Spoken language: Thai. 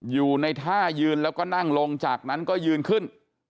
อยู่ในท่ายืนแล้วก็นั่งลงจากนั้นก็ยืนขึ้น